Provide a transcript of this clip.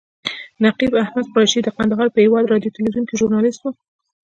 نقیب احمد قریشي د کندهار په هیواد راډیو تلویزیون کې ژورنالیست و.